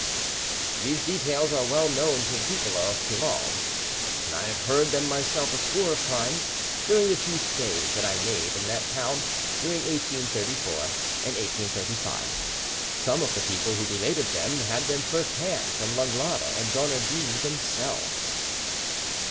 [These details are well known to the people of Toulon, and I have heard them myself a score of times during the two stays that I made in that town during 1834 and 1835. Some of the people who related them had them first hand from Langlade and Donadieu themselves.